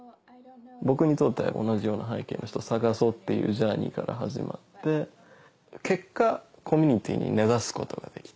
僕にとって同じような背景の人探そうっていうジャーニーから始まって結果コミュニティーに根ざすことができた。